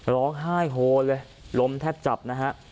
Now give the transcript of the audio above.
ร้องไห้โฮเลยลมแทบจับนะฮะ